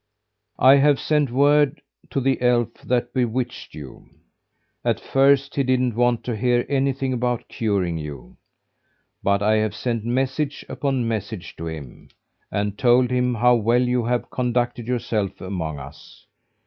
I have sent word to the elf that bewitched you. At first he didn't want to hear anything about curing you; but I have sent message upon message to him, and told him how well you have conducted yourself among us.